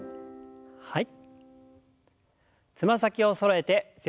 はい。